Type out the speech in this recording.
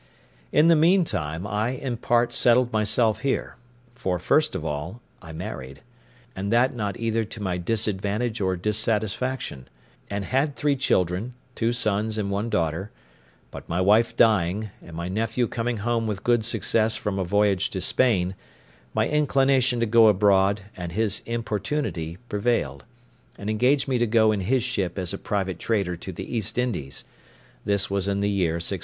In the meantime, I in part settled myself here; for, first of all, I married, and that not either to my disadvantage or dissatisfaction, and had three children, two sons and one daughter; but my wife dying, and my nephew coming home with good success from a voyage to Spain, my inclination to go abroad, and his importunity, prevailed, and engaged me to go in his ship as a private trader to the East Indies; this was in the year 1694.